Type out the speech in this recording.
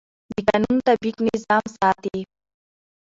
د قانون تطبیق نظم ساتي